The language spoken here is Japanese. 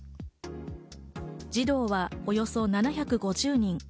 児童はおよそ７５０人。